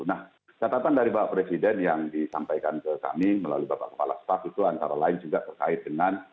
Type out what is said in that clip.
nah catatan dari bapak presiden yang disampaikan ke kami melalui bapak kepala staff itu antara lain juga terkait dengan